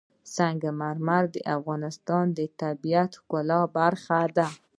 سنگ مرمر د افغانستان د طبیعت د ښکلا برخه ده.